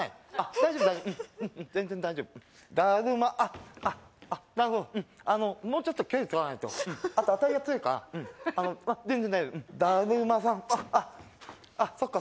大丈夫大丈夫うんうん全然大丈夫だるまあっなるほどうんあのもうちょっと距離取らないとあとあたりが強いからうん全然大丈夫だるまさんあっそっか